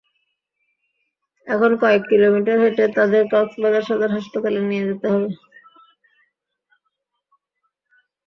এখন কয়েক কিলোমিটার হেঁটে তাদের কক্সবাজার সদর হাসপাতালে নিতে যেতে হবে।